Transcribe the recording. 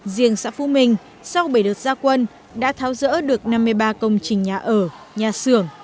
riêng xã phú minh sau bảy đợt gia quân đã tháo rỡ được năm mươi ba công trình nhà ở nhà xưởng